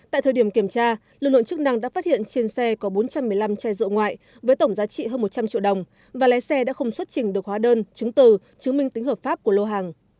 tại thời điểm kiểm tra lực lượng chức năng đã phát hiện trên xe có bốn trăm một mươi năm chai rượu ngoại với tổng giá trị hơn một trăm linh triệu đồng và lé xe đã không xuất trình được hóa đơn chứng từ chứng minh tính hợp pháp của lô hàng